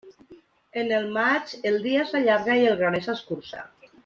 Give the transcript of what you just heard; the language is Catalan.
En el maig, el dia s'allarga i el graner s'escurça.